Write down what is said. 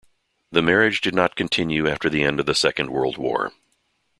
The marriage did not continue after the end of the Second World War.